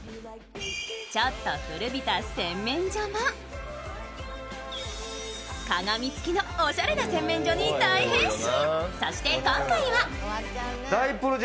ちょっと古びた洗面所も、鏡付きのおしゃれな洗面所に大変身。